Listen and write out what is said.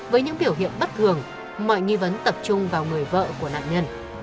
với những biểu hiện bất thường mọi nghi vấn tập trung vào người vợ của nạn nhân